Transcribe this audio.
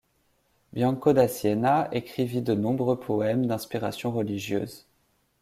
Bianco da Siena écrivit de nombreux poèmes d’inspiration religieuse.